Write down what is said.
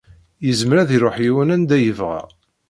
Yezmer ad iruḥ yiwen anda yebɣa.